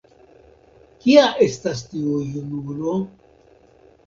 Kia estas tiu junulo?